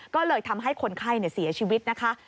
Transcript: ก็เลยทำให้คนไข้เสียชีวิตนะคะ